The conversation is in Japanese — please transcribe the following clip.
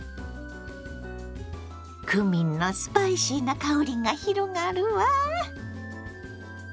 クミンのスパイシーな香りが広がるわ！